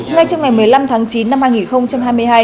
ngay trong ngày một mươi năm tháng chín năm hai nghìn hai mươi hai